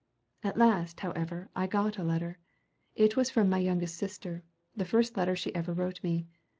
At last, however, I got a letter. It was from my youngest sister, the first letter she ever wrote me.